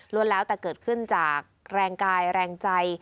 รวมแล้วแต่เกิดขึ้นจากแรงกายแรงใจ